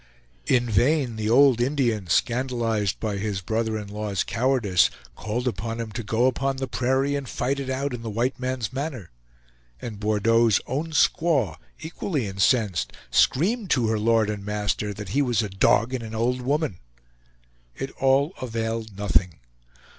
In vain the old Indian, scandalized by his brother in law's cowardice, called upon him to go upon the prairie and fight it out in the white man's manner; and Bordeaux's own squaw, equally incensed, screamed to her lord and master that he was a dog and an old woman. It all availed nothing.